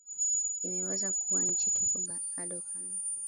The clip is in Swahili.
imeweza kuwa nchi tuko bado kama